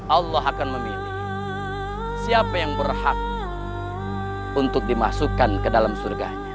allah akan memilih siapa yang berhak untuk dimasukkan ke dalam surganya